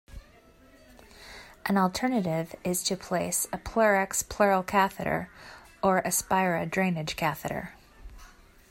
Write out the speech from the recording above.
An alternative is to place a PleurX Pleural Catheter or Aspira Drainage Catheter.